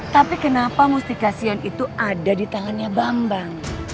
tapi kenapa mustikasion itu ada di tangannya bambang